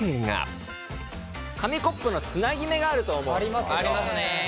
紙コップのつなぎ目があると思う。ありますね。